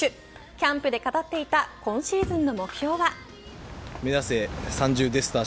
キャンプで語っていた今シーズンの目標は。